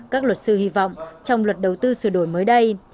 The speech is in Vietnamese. các luật sư hy vọng trong luật đầu tư sửa đổi mới đây